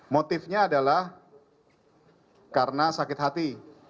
motifnya adalah karena sakit hati